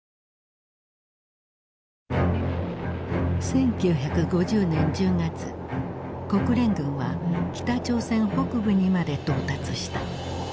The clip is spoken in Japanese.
１９５０年１０月国連軍は北朝鮮北部にまで到達した。